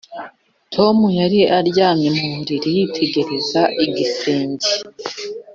tom yari aryamye mu buriri, yitegereza igisenge.